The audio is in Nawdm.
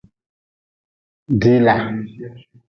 Dila.